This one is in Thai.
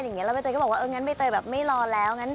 เราไปเตยก็บอกงั้นไปเตยแบบไม่รอแล้ว